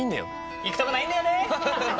行くとこないんだよね！